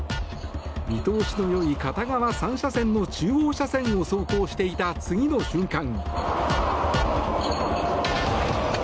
見通しの良い片側３車線の中央車線を走行していた次の瞬間。